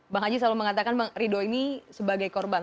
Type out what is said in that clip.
bang haji selalu mengatakan ridho ini sebagai korban